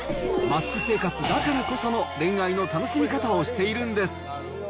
マスク生活だからこその恋愛の楽しみ方をしているんです。